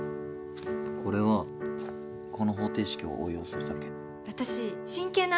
これはこの方程式を応用するだけ。